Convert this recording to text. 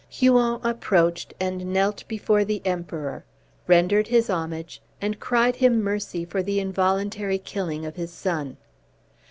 Huon approached, and knelt before the Emperor, rendered his homage, and cried him mercy for the involuntary killing of his son.